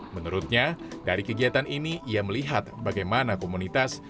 menurutnya dari kegiatan ini ia melihat bagaimana komunitas